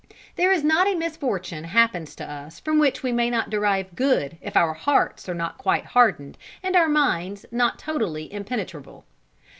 There is not a misfortune happens to us from which we may not derive good if our hearts are not quite hardened, and our minds not totally impenetrable.